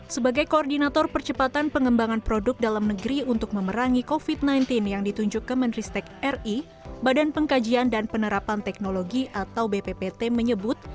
sebagai koordinator percepatan pengembangan produk dalam negeri untuk memerangi covid sembilan belas yang ditunjuk ke menteri stek ri badan pengkajian dan penerapan teknologi atau bppt menyebut